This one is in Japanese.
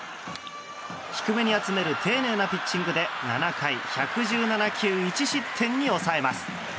低めに集める丁寧なピッチングで７回１１７球１失点に抑えます。